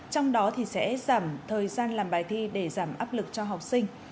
trong đó thì sẽ giảm thời gian làm bài thi để giảm áp lực cho học sinh